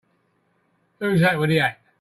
Who's that with the hat?